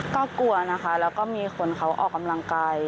ก็กลัวนะคะแล้วก็มีคนเขาออกกำลังกาย